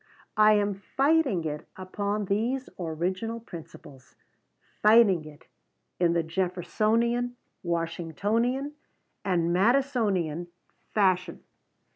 I am fighting it upon these "original principles," fighting it in the Jeffersonian, Washingtonian, and Madisonian fashion.